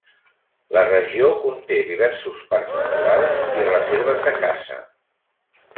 La regió conté diversos parcs naturals i reserves de caça.